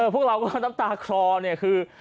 พวกเราก็น้ำตาคลอคือ